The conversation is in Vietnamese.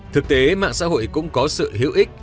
thực tế mạng xã hội cũng có sự hữu ích